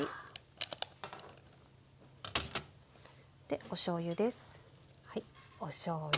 でおしょうゆです。